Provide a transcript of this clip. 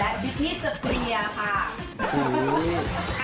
และบิกนี่สเปรียร์ค่ะ